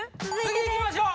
次いきましょう